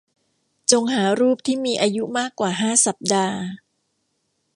จงหารูปที่มีอายุมากกว่าห้าสัปดาห์